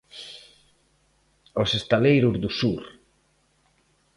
Aos estaleiros do sur.